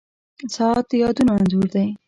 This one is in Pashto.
• ساعت د یادونو انځور دی.